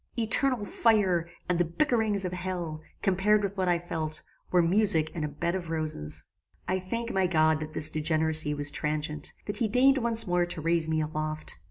Eternal fire, and the bickerings of hell, compared with what I felt, were music and a bed of roses. "I thank my God that this degeneracy was transient, that he deigned once more to raise me aloft.